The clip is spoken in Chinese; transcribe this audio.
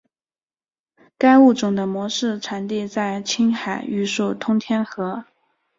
该物种的模式产地在青海玉树通天河。